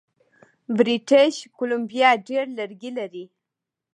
بریټیش کولمبیا ډیر لرګي لري.